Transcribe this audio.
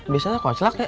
biasanya kau celak ya